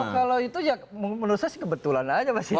kalau itu ya menurut saya sih kebetulan saja mas sita